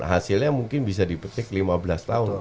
hasilnya mungkin bisa dipetik lima belas tahun